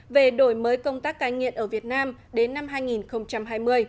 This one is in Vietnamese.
về đổi mới công tác cai nghiện ở việt nam đến năm hai nghìn hai mươi